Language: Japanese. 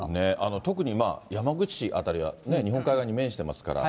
特に、山口市辺りは日本海側に面してますから。